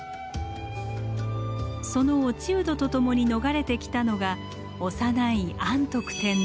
その落人とともに逃れてきたのが幼い安徳天皇。